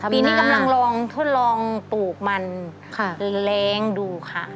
ปีนี้กำลังลองทดลองปลูกมันเล้งดูค่ะ